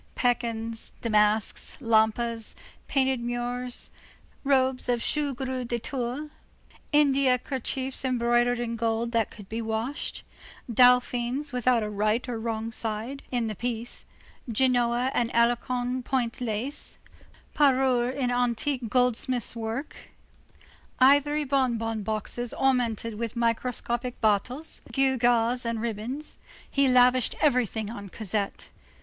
Pekins, damasks, lampas, painted moires, robes of shot gros de Tours, India kerchiefs embroidered in gold that could be washed, dauphines without a right or wrong side, in the piece, Genoa and Alençon point lace, parures in antique goldsmith's work, ivory bon bon boxes ornamented with microscopic battles, gewgaws and ribbons—he lavished everything on Cosette.